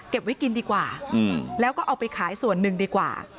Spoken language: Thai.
ไว้กินดีกว่าแล้วก็เอาไปขายส่วนหนึ่งดีกว่า